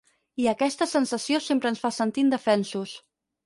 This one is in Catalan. I aquesta sensació sempre ens fa sentir indefensos.